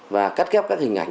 và cắt kép các hình ảnh